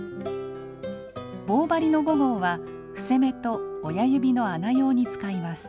棒針の５号は伏せ目と親指の穴用に使います。